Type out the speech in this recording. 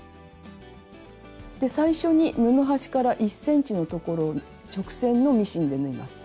最初に布端から１ｃｍの所を直線のミシンで縫います。